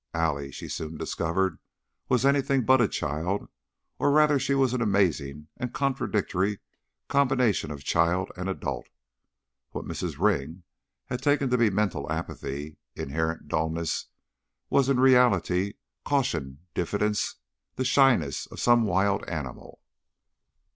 Allie, she soon discovered, was anything but a child, or rather she was an amazing and contradictory combination of child and adult. What Mrs. Ring had taken to be mental apathy, inherent dullness, was in reality caution, diffidence, the shyness of some wild animal.